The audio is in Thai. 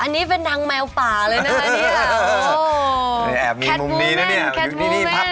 อันนี้เป็นนางแมวป่าเลยนะ